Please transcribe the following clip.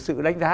sự đánh giá